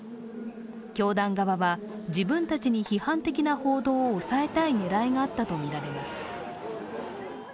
教団側は自分たちに批判的な報道を抑えたい狙いがあったとみられます。